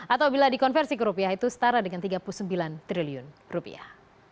atau bila dikonversi ke rupiah itu setara dengan tiga puluh sembilan triliun rupiah